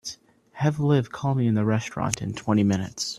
Have Liv call me in the restaurant in twenty minutes.